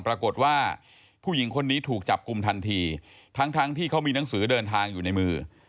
ปรากฏว่าผู้หญิงคนนี้ถูกจับกลุ่มทันทีทั้งทั้งที่เขามีหนังสือเดินทางอยู่ในมือ